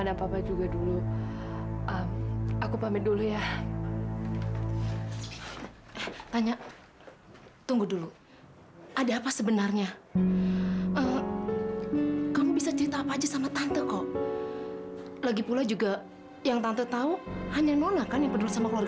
tidak ada yang sempurna di dunia ini tanya tapi tante yakin kamu being paling sempurna buatking